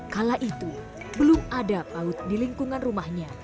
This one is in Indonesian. kala itu belum ada paut di lingkungan rumahnya